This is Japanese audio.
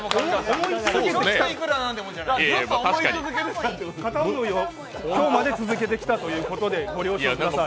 思い続けてきた片思いを今日まで続けてきたということでご了承ください。